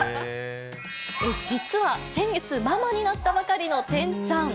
実は先月、ママになったばかりのてんちゃん。